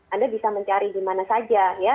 anda bisa mencari dimana saja ya